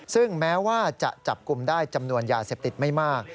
ซึ่งแม้ว่าจะจับกลุ่มได้จำนวนยาเสพติดไม่มาก